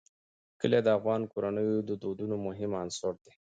کلي د افغان کورنیو د دودونو مهم عنصر دی.